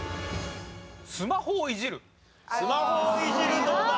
スマホをいじるどうだ？